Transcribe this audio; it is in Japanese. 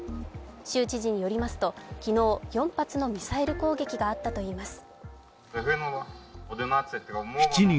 州知事によりますと昨日、４発のミサイル攻撃があったといいます。